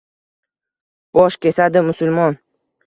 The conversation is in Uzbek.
Bosh kesadi musulmon?